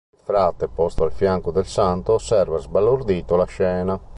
Il frate posto al fianco del santo osserva sbalordito la scena.